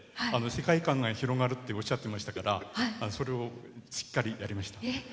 世界観が広がるっておっしゃってましたからそれをしっかりやりました。